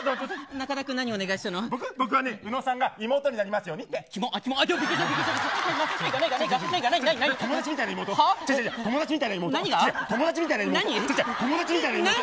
中田君、何をお願いしたの。